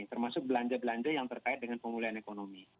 termasuk belanja belanja yang terkait dengan pemulihan ekonomi